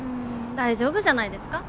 大丈夫じゃないですか？